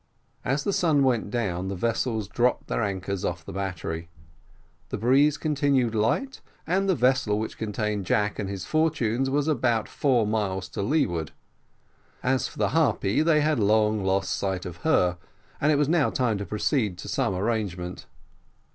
As the sun went down the vessels dropped their anchors off the battery. The breeze continued light, and the vessel which contained Jack and his fortunes was about four miles to leeward. As for the Harpy, they had long lost sight of her, and it was now time to proceed to some arrangement.